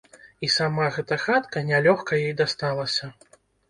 І сама гэта хатка нялёгка ёй дасталася.